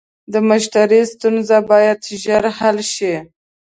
د مشتری ستونزه باید ژر حل شي.